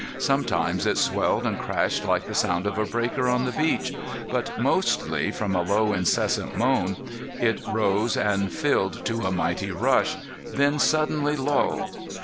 Sometimes it swelled and crashed like the sound of a breaker on the beach, but mostly, from a low incessant moan, it rose and filled to a mighty rush, then suddenly lulled.